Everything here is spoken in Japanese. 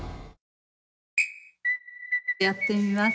やってみます